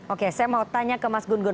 oke saya mau tanya ke mas gunggun